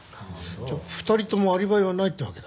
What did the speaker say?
じゃあ２人ともアリバイはないってわけだ。